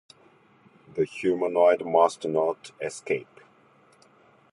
The humanoid must not escape.